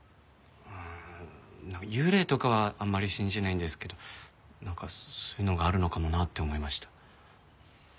うん幽霊とかはあんまり信じないんですけどなんかそういうのがあるのかもなって思いました。